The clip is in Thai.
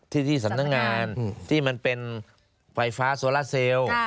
ที่สำนักงานที่มันเป็นไฟฟ้าโซลาเซล